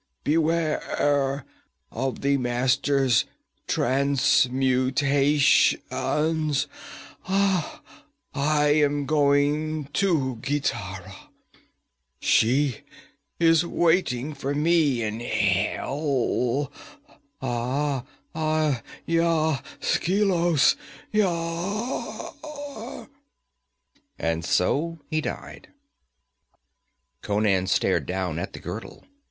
Beware of the Master's transmutations I am going to Gitara she is waiting for me in hell aie, ya Skelos yar!' And so he died. Conan stared down at the girdle.